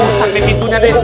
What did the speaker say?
aduh sakit pintunya de